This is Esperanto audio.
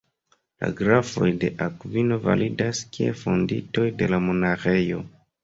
La grafoj de Akvino validas kiel fondintoj de la monaĥejo.